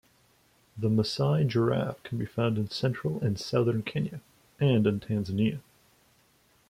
The Masai giraffe can be found in central and southern Kenya and in Tanzania.